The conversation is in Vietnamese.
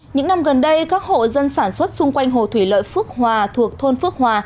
những năm gần đây các hộ dân sản xuất xung quanh hồ thủy lợi phước hòa thuộc thôn phước hòa